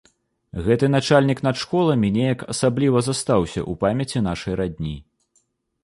Гэты начальнік над школамі неяк асабліва застаўся ў памяці нашай радні.